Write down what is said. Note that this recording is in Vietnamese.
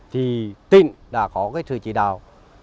thì tỉnh đã có cái sự chỉ đạo